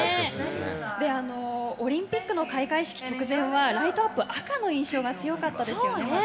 オリンピックの開会式直前はライトアップ赤の印象が強かったですよね。